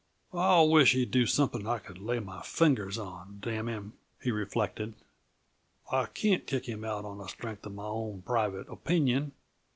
"I wisht he'd do something I could lay my finger on damn him," he reflected. "I can't kick him out on the strength uh my own private opinion.